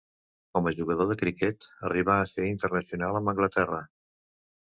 Com a jugador de criquet arribà a ser internacional amb Anglaterra.